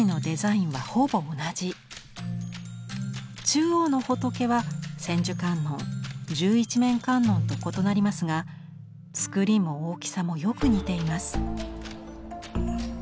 中央の仏は千手観音十一面観音と異なりますがつくりも大きさもよく似ています。